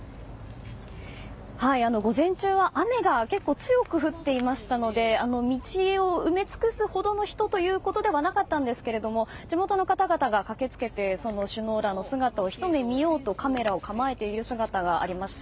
午前中は雨が結構、強く降っていましたので道を埋め尽くすほどの人ということではなかったんですけれども地元の方々が駆けつけて首脳らの姿をひと目見ようとカメラを構えている姿がありました。